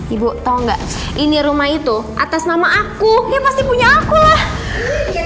ibu tahu nggak ini rumah itu atas nama aku ya pasti punya aku lah